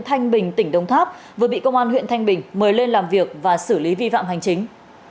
thanh bình tỉnh đông tháp vừa bị công an huyện thanh bình mời lên làm việc và xử lý vi phạm hành chính